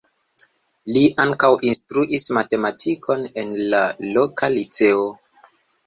Li ankaŭ instruis matematikon en la loka liceo.